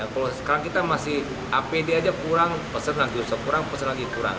kalau sekarang kita masih apd saja kurang pesan lagi kurang pesan lagi kurang